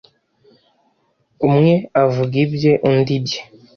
umwe avuga ibye undi ibye